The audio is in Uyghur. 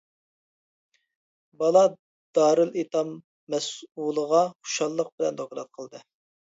بالا دارىلئېتام مەسئۇلىغا خۇشاللىق بىلەن دوكلات قىلدى.